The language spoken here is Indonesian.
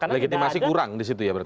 legitimasi kurang disitu ya berarti